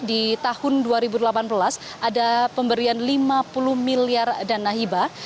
di tahun dua ribu delapan belas ada pemberian lima puluh miliar dana hibah